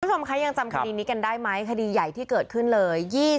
คุณผู้ชมคะยังจำคดีนี้กันได้ไหมคดีใหญ่ที่เกิดขึ้นเลย